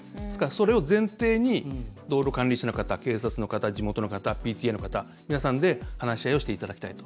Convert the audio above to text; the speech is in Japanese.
それを前提に、道路管理者の方警察の方、地元の方ＰＴＡの方、皆さんで話し合いをしていただきたいと。